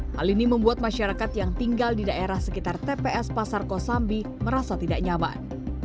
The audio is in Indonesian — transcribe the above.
hal ini membuat masyarakat yang tinggal di daerah sekitar tps pasar kosambi merasa tidak nyaman